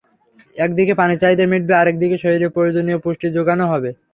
একদিকে পানির চাহিদা মিটবে, আরেক দিকে শরীরে প্রয়োজনীয় পুষ্টির জোগানও হবে।